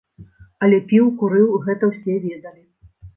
Але піў, курыў, гэта ўсе ведалі.